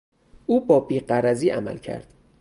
او با بیغرضی عمل کرد.